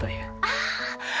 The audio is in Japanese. ああ！